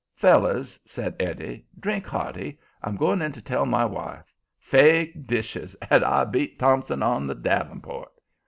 "Fellers," said Eddie, "drink hearty. I'm going in to tell my wife. Fake dishes! And I beat Thompson on the davenport."